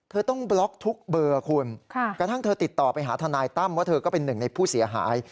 เธอต้องบล็อกทุกเบอร์คุณกระทั่งเธอติดต่อไปหาทนายตั้มว่าเธอก็เป็นหนึ่งในผู้เสียหาย